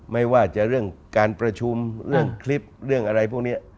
ไม่ว่าจะเรื่องการประชุมเรื่องคลิปเรื่องอะไรพวกนี้